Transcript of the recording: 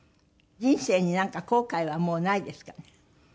人生になんか後悔はもうないですかね？